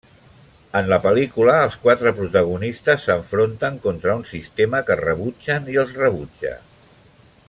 En la pel·lícula, els quatre protagonistes s'enfronten contra un sistema que rebutgen i els rebutja.